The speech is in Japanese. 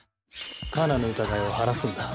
カナの疑いを晴らすんだ。